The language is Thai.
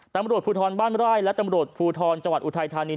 ตำรวจภูทรบ้านไร่และตำรวจภูทรจังหวัดอุทัยธานี